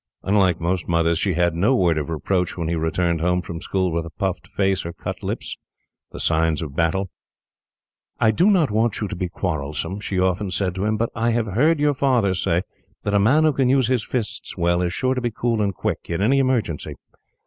Unlike most mothers, she had no word of reproach when he returned home from school with a puffed face, or cut lips; the signs of battle. "I do not want you to be quarrelsome," she often said to him, "but I have heard your father say that a man who can use his fists well is sure to be cool and quick, in any emergency.